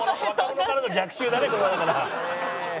若者からの逆襲だねこれはだから。